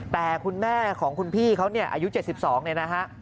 แต่คุณแม่ของคุณพี่เขาอายุ๗๒เลยนะฮะ